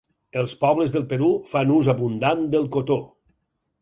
Els pobles del Perú fan ús abundant del cotó.